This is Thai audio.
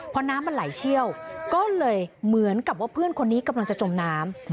พอน้ำมันไหลเชี่ยวก็เลยเหมือนกับว่าเพื่อนคนนี้กำลังจะจมน้ำ